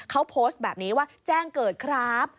เขาโพสต์แบบนี้ว่าแจ้งเกิดครับ